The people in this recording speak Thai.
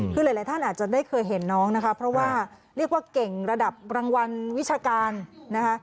คือหลายท่านอาจจะได้เคยเห็นน้องนะคะเพราะว่าเรียกว่าเก่งระดับรางวัลวิชาการนะคะ